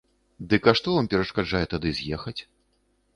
Дык а што вам перашкаджае тады з'ехаць?